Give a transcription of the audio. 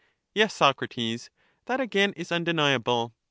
Yes, Socrates, that again is undeniable.